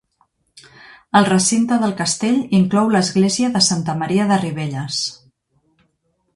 El recinte del castell inclou l'església de Santa Maria de Ribelles.